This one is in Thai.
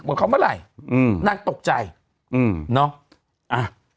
หมดคำเมื่อไหร่นักตกใจเนาะ